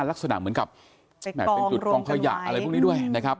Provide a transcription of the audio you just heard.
ลักษณะเหมือนกับเป็นจุดกองขยะอะไรพวกนี้ด้วยนะครับ